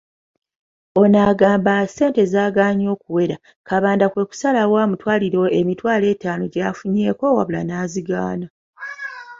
Ono agamba ssente zagaanye okuwera , Kabanda kwekusalawo amutwalire emitwalo etaano gye yafunyeeko wabula n'azigaana.